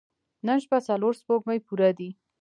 نن شپه څلور سپوږمۍ پوره دي.